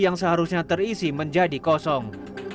yang seharusnya terisi menjadi kosong